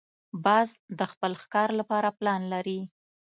باز د خپل ښکار لپاره پلان لري